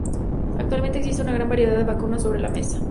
Actualmente, existe una gran variedad de vacunas sobre la mesa.